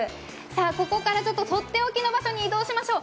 ここからとっておきの場所に移動しましょう。